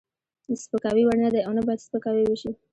د سپکاوي وړ نه دی او نه باید سپکاوی وشي.